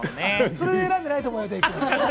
それで選んでないと思うよ、デイくん。